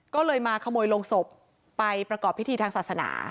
ก็เลยมาขโมยโรงศพไปประกอบพิธีทางศาสนา